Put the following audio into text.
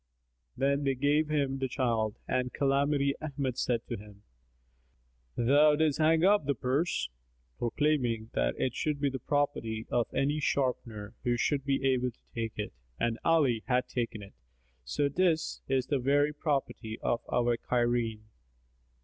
Then they gave him the child and Calamity Ahmad said to him, "Thou didst hang up the purse, proclaiming that it should be the property of any sharper who should be able to take it, and Ali hath taken it; so 'tis the very property of our Cairene."